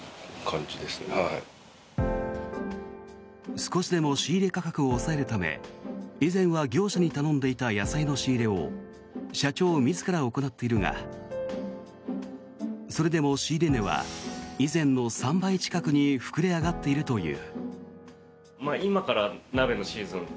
少しでも仕入れ価格を抑えるため以前は業者に頼んでいた野菜の仕入れを社長自ら行っているがそれでも仕入れ値は以前の３倍近くに膨れ上がっているという。